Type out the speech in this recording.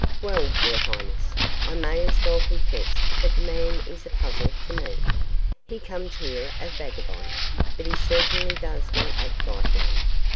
"Well, your highness, I may as well confess that the man is a puzzle to me. He comes here a vagabond, but he certainly does not act like one.